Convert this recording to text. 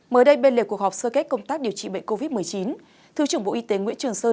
mới đây bên lề cuộc họp sơ kết công tác điều trị bệnh covid một mươi chín thứ trưởng bộ y tế nguyễn trường sơn